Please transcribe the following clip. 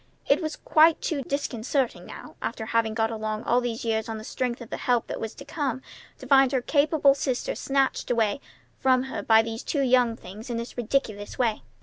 It was quite too disconcerting now, after having got along all these years on the strength of the help that was to come, to find her capable sister snatched away from her by two young things in this ridiculous way.